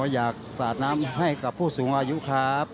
อยากสาดน้ำให้กับผู้สูงอายุครับ